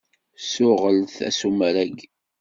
Ssuɣel-t asumer-agi.